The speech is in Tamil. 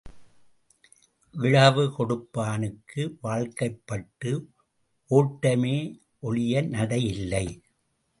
இழவு கொடுப்பானுக்கு வாழ்க்கைப்பட்டு ஓட்டமே ஒழிய நடை இல்லை.